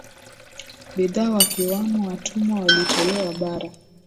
Bidhaa wakiwamo watumwa walitolewa bara